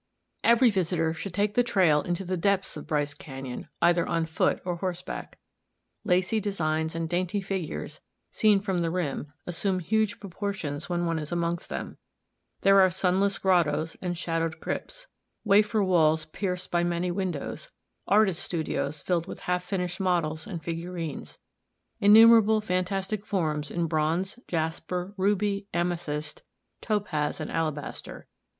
Every visitor should take the trail into the depths of Bryce Canyon, either on foot or horseback. Lacy designs and dainty figures, seen from the rim, assume huge proportions when one is amongst them; there are sunless grottoes and shadowed crypts, wafer walls pierced by many windows, artists' studios filled with half finished models and figurines, innumerable fantastic forms in bronze, jasper, ruby amethyst, topaz and alabaster.